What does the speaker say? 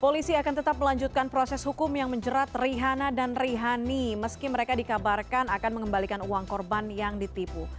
polisi akan tetap melanjutkan proses hukum yang menjerat rihana dan rihani meski mereka dikabarkan akan mengembalikan uang korban yang ditipu